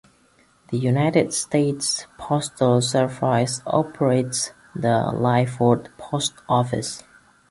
The United States Postal Service operates the Lyford Post Office.